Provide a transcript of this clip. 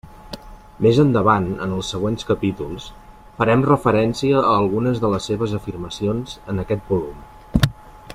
Més endavant, en els següents capítols, farem referència a algunes de les seves afirmacions en aquest volum.